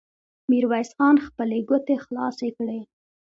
ميرويس خان خپلې ګوتې خلاصې کړې.